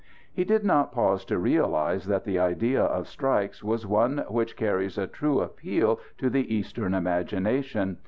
He did not pause to realize that the idea of strikes was one which carries a true appeal to the Eastern imagination.